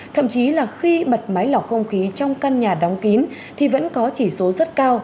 thậm chí là khi bật máy lọc không khí trong căn nhà đóng kín thì vẫn có chỉ số rất cao